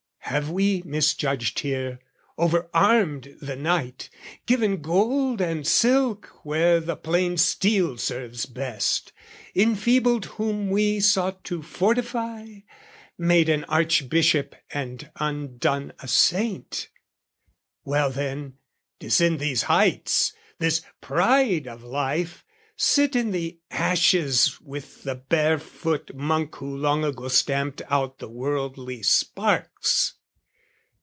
Have we misjudged here, over armed the knight, Given gold and silk where the plain steel serves best, Enfeebled whom we sought to fortify, Made an archbishop and undone a saint? Well then, descend these heights, this pride of life, Sit in the ashes with the barefoot monk Who long ago stamped out the worldly sparks.